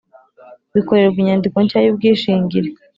bikorerwa inyandiko nshya y ubwishingire